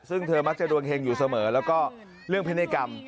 ซึ่งเธอมักจะดวงเฮงอยู่เสมอแล้วก็เรื่องพินัยกรรม